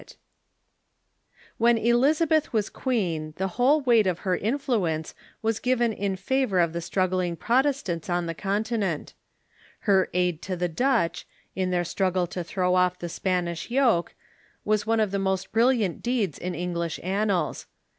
294 THE MODKKN CHURCH When Elizabeth was queen the whole weight of her influ ence was given in favor of the struggling Protestants on the Continent. Her aid to the Dutch, in their strug Contrast i ^ throw off the Spanish yoke, was one of the with Elizabeth s> i j ' most brilliant deeds in English ainials.